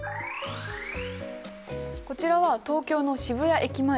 こちらは東京の渋谷駅前。